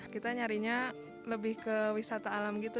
kita nyarinya lebih ke wisata alam gitu